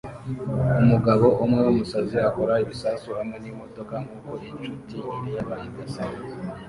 Umugabo umwe wumusazi akora ibisasu hamwe nimodoka nkuko inshuti ireba igaseka